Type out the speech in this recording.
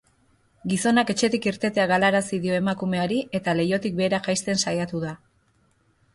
Gizonak etxetik irtetea galarazi dio emakumeari eta leihotik behera jaisten saiatu da.